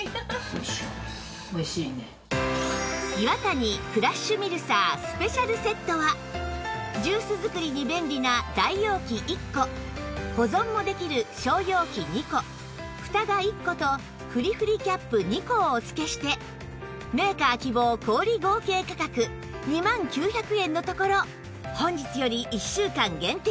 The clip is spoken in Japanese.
イワタニクラッシュミルサースペシャルセットはジュース作りに便利な大容器１個保存もできる小容器２個フタが１個とふりふりキャップ２個をお付けしてメーカー希望小売合計価格２万９００円のところ本日より１週間限定